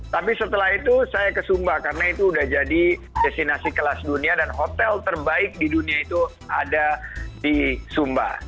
tapi setelah itu saya ke sumba karena itu sudah jadi destinasi kelas dunia dan hotel terbaik di dunia itu ada di sumba